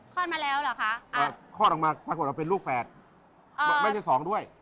มาแล้วเหรอคะคลอดออกมาปรากฏว่าเป็นลูกแฝดไม่ใช่สองด้วย